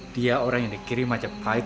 dia orang yang dikirim majapahit